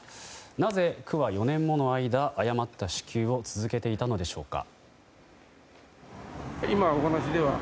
なぜ区は４年もの間、誤った支給を続けていたのでしょうか。